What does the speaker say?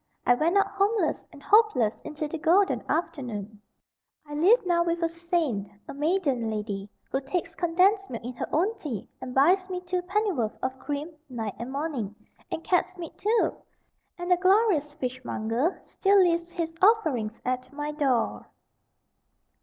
I went out homeless and hopeless into the golden afternoon. I live now with a Saint a maiden lady, who takes condensed milk in her own tea, and buys me two pennyworth of cream night and morning. And cat's meat, too! And the glorious fishmonger still leaves his offerings at my door.